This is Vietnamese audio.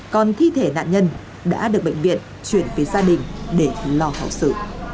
còn thi thể nạn nhân đã được bệnh viện chuyển về gia đình để lo thảo sự